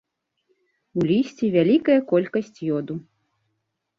У лісці вялікая колькасць ёду.